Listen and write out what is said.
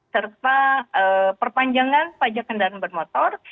serta perpanjangan pajak kendaraan bermotor